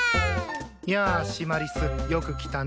やあシマリスよく来たね。